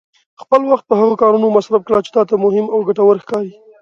خپل وخت په هغه کارونو مصرف کړه چې تا ته مهم او ګټور ښکاري.